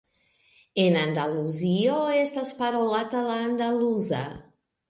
En Andaluzio estas parolata la andaluza.